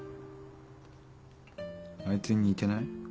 あいつに似てない？